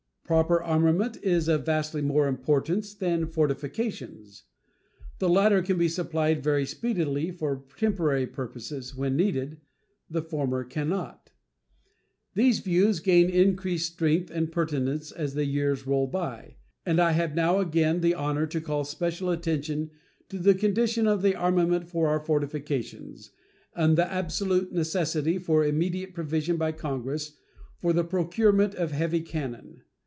Proper armament is of vastly more importance than fortifications. The latter can be supplied very speedily for temporary purposes when needed; the former can not." These views gain increased strength and pertinence as the years roll by, and I have now again the honor to call special attention to the condition of the "armament of our fortifications" and the absolute necessity for immediate provision by Congress for the procurement of heavy cannon.